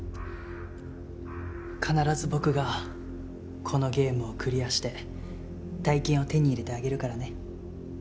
必ず僕がこのゲームをクリアして大金を手に入れてあげるからね。